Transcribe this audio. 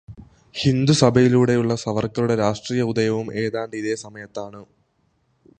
ഹിന്ദു സഭയിലൂടെയുള്ള സവര്ക്കറുടെ രാഷ്ട്രീയ ഉദയവും ഏതാണ്ട് ഇതേ സമയത്താണു.